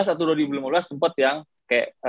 dua ribu tiga belas atau dua ribu lima belas sempet yang kayak